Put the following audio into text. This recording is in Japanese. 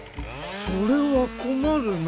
それはこまるな。